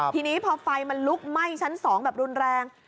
ทีนี้พอไฟมันลุกไหม้ชั้น๒แบบรุนแรง